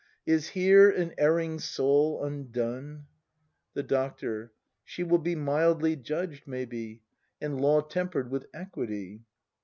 ] Is here an erring soul undone? The Doctor. She will be mildly judged, maybe; — And Law temper'd with equity.